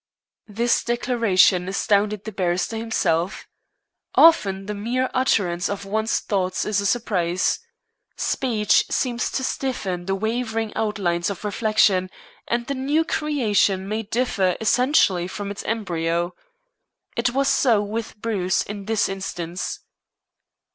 This declaration astounded the barrister himself. Often the mere utterance of one's thoughts is a surprise. Speech seems to stiffen the wavering outlines of reflection, and the new creation may differ essentially from its embryo. It was so with Bruce in this instance.